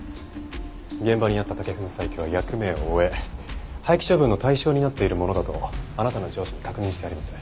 現場にあった竹粉砕機は役目を終え廃棄処分の対象になっているものだとあなたの上司に確認してあります。